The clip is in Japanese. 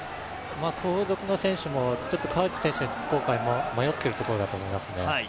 後続の選手も川内選手につこうか迷っているところだと思いますね。